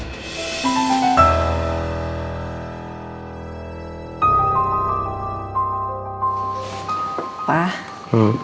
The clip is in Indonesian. komentar di atas milk